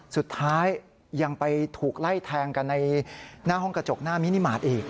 สุดท้ายยังไปถูกไล่แทงกันในหน้าห้องกระจกหน้ามินิมาตรอีก